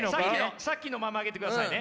さっきのまま上げてくださいね。